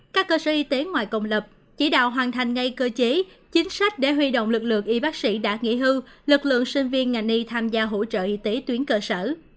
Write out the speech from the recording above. các cơ sở y tế ngoài công lập chỉ đạo hoàn thành ngay cơ chế chính sách để huy động lực lượng y bác sĩ đã nghỉ hưu lực lượng sinh viên ngành y tham gia hỗ trợ y tế tuyến cơ sở